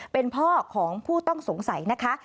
เป็นพ่อของผู้ต้องสงสัยนะคะ